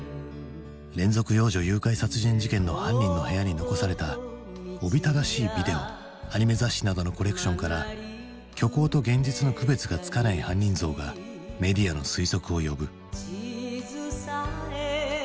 連続幼女誘拐殺人事件の犯人の部屋に残されたおびただしいビデオアニメ雑誌などのコレクションから虚構と現実の区別がつかない犯人像がメディアの推測を呼ぶ。